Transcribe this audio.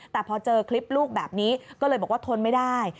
แต่พอเจอคลิปลูกแบบนี้ก็เลยบอกว่าทนไม่ได้